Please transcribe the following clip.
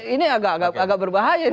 ini agak berbahaya